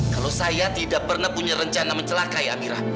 kalau saya tidak pernah punya rencana mencelakai amirah